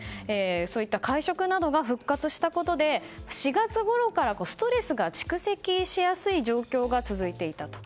そういった会食などが復活したことで４月ごろからストレスが蓄積しやすい状況が続いていたと。